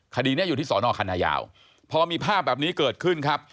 คดีนี้อยู่ที่สอนอคันนายาวพอมีภาพแบบนี้เกิดขึ้นครับ